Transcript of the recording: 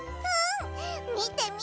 みてみて！